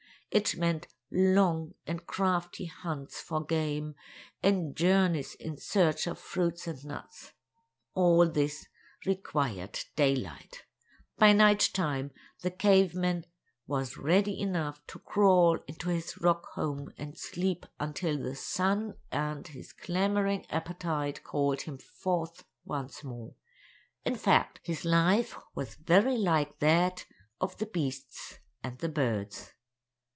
It meant long and crafty hunts for game, and journeys in search of fruits and nuts. All this required daylight. By night time the caveman was ready enough to crawl into his rock home and sleep until the sun and his clamoring appetite called him forth once more. In fact, his life was very like that of the beasts and the birds.